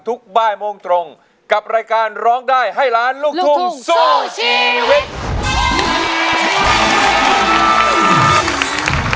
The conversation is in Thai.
บ่ายโมงตรงกับรายการร้องได้ให้ล้านลูกทุ่งสู้ชีวิต